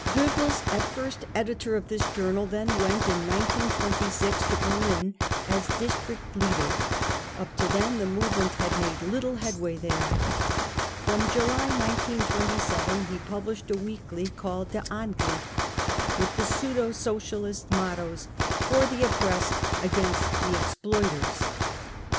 Goebbels, aTfirst editor of this journal, then went in 1926 to Berlin as district leader ; up to then the movement had made little headway there. From July 1927 he published a weekly called Der Angriff, with the pseudo socialist mot / toes : £6 For the oppressed ! Against the exploiters